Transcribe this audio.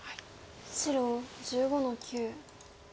白１５の九。